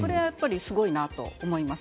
すごいなと思います。